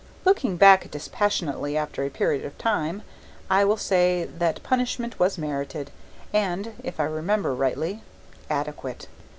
Looking back dispassionately after a period of time, I will say that punishment was merited, and if I remember rightly adequate.